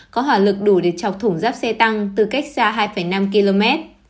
có hỏa lực đủ để chọc thủng giáp xe tăng từ cách xa hai năm km